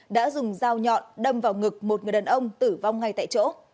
đã dùng dao nhọn đâm vào ngực một người đàn ông tử vong ngay tại chỗ